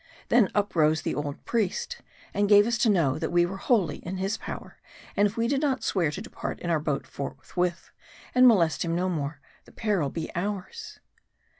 Then up rose the old priest, and gave us to know, that we were wholly in his power, and if . 160 M A R D I. we did not swear to depart in our boat forthwith, and molest him no more, the peril be ours.